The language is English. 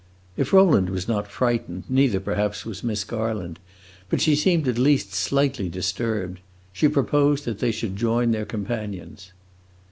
If Rowland was not frightened, neither, perhaps, was Miss Garland; but she seemed at least slightly disturbed. She proposed that they should join their companions.